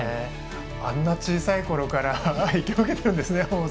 あんな小さいころから影響を受けているんですね。